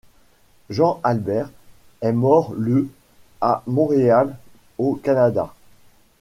Jean Albert est mort le à Montréal au Canada.